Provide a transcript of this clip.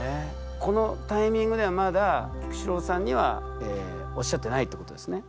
このタイミングではまだ菊紫郎さんにはおっしゃってないってことですね？